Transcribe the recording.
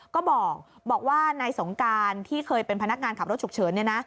ก็บอกว่านายสงการที่เคยเป็นพนักงานขับรถฉุกเฉิน